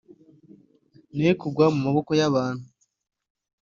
ne kugwa mu maboko y'abantu